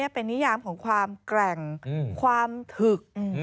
เป็นนิยามของความแกร่งความถึก